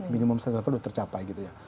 minimum safety level sudah tercapai gitu ya